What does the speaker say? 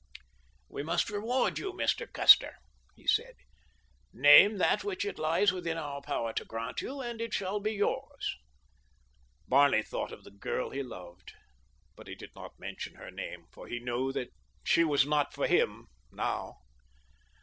"We must reward you, Mr. Custer," he said. "Name that which it lies within our power to grant you and it shall be yours." Barney thought of the girl he loved; but he did not mention her name, for he knew that she was not for him now.